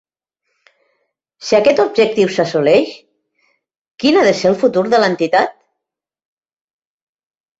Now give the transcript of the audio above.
Si aquest objectiu s’assoleix, quin ha de ser el futur de l’entitat?